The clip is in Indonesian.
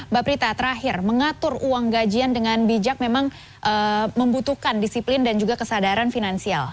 mbak prita terakhir mengatur uang gajian dengan bijak memang membutuhkan disiplin dan juga kesadaran finansial